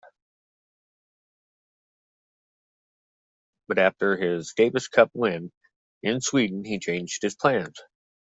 But after his Davis Cup win in Sweden, he changed his plans.